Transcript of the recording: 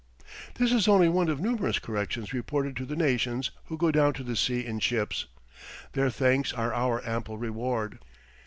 This is only one of numerous corrections reported to the nations who go down to the sea in ships. Their thanks are our ample reward.